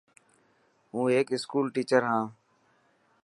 هون هيڪ اسڪول ٽيڇر هان.